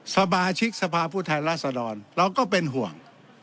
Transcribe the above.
สมาชิกสภาพุทธรรมรัฐสดรเราก็เป็นห่วง